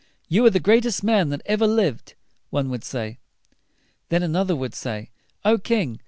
"You are the greatest man that ever lived," one would say. Then an oth er would say, "O king!